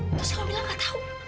terus kamu bilang enggak tahu